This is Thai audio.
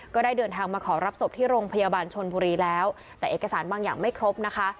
ก็ได้เดินทางมาขอรับศพที่โรงพยาบาลชนบุรีแล้วแต่เอกสารบางอย่างไม่ครบนะคะ